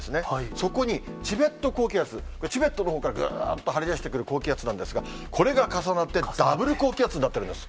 そこにチベット高気圧、チベットのほうからぐーんと張り出してくる高気圧なんですが、これが重なって、ダブル高気圧になっているんです。